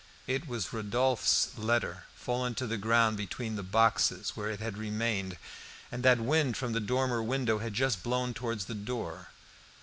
It was Rodolphe's letter, fallen to the ground between the boxes, where it had remained, and that the wind from the dormer window had just blown towards the door.